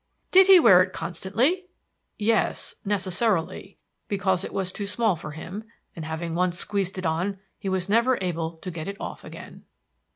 "Did he wear it constantly?" "Yes, necessarily; because it was too small for him, and having once squeezed it on he was never able to get it off again."